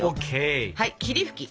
はい霧吹き。